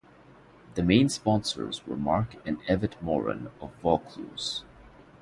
The main sponsors were Mark and Evette Moran of Vaucluse.